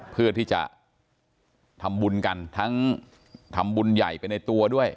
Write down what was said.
เพื่อที่จะทำบุญกันทั้งทำบุญใหญ่ไปในตัวด้วย